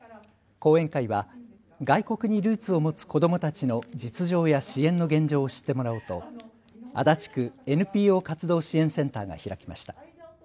講演会は外国にルーツを持つ子どもたちの実情や支援の現状を知ってもらおうと足立区ＮＰＯ活動支援センターが開きました。